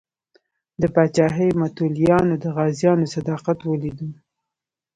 د پاچاهۍ متولیانو د غازیانو صداقت ولیدو.